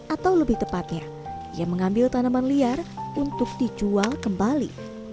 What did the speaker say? atau lebih tepatnya ia mengambil tanaman liar untuk dijual kembali